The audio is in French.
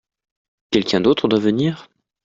Quelqu'un d'autre doit venir ?